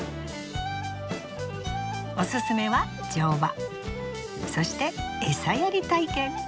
おすすめは乗馬そして餌やり体験。